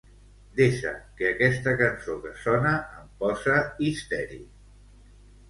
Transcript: Desa que aquesta cançó que sona em posa histèric.